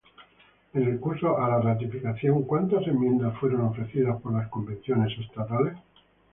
En el curso a la ratificación, ¿cuántas enmiendas fueron ofrecidas por las convenciones Estatales?